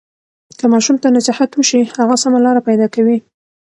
که ماشوم ته نصیحت وشي، هغه سمه لاره پیدا کوي.